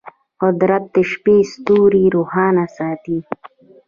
قدرت د شپې ستوري روښانه ساتي.